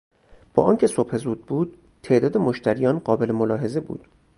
با آنکه صبح زود بود تعداد مشتریان قابل ملاحظه بود.